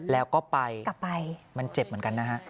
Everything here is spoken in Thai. แล้วก็ไปกลับไปมันเจ็บเหมือนกันนะฮะ